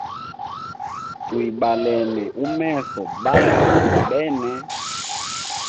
Twibalene umeso batwe bene.